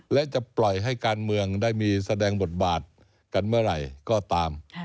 และจะปล่อยให้การเมืองได้มีแสดงบทบาทกันเมื่อไหร่ก็ตาม